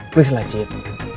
please lah cid